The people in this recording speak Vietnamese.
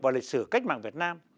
và lịch sử cách mạng việt nam